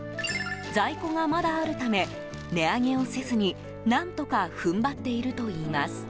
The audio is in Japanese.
在庫がまだあるため値上げをせずに何とか踏ん張っているといいます。